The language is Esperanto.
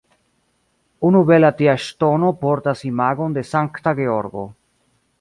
Unu bela tia ŝtono portas imagon de Sankta Georgo.